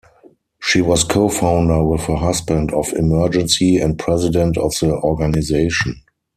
She was co-founder with her husband of Emergency and president of the organization.